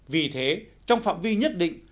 vì thế trong phạm vi nhất định